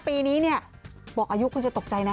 ปีนี้เนี่ยบอกอายุคุณจะตกใจนะ